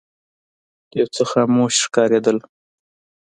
یو څه خاموش ښکارېدل.